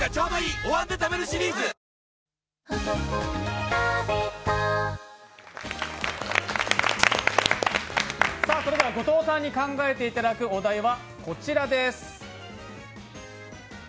「お椀で食べるシリーズ」後藤さんに考えていただくお題はこちらです。